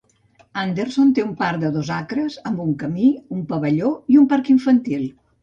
Anderson té un parc de dos acres amb un camí, un pavelló i un parc infantil.